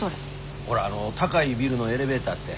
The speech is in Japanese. ほら高いビルのエレベーターって。